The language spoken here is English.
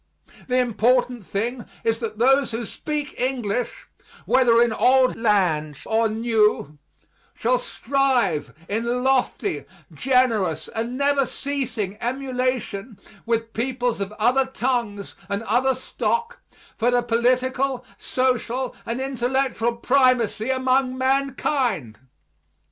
The important thing is that those who speak English, whether in old lands or new, shall strive in lofty, generous and never ceasing emulation with peoples of other tongues and other stock for the political, social, and intellectual primacy among mankind.